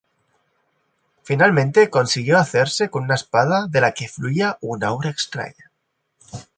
Finalmente consiguió hacerse con una espada de la que fluía un aura extraña.